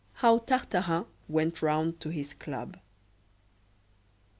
How Tartarin went round to his club.